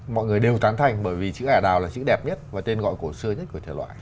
mọi người đều tán thành bởi vì chữ ả đào là chữ đẹp nhất và tên gọi cổ xưa nhất của thể loại